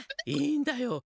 いいんだよ。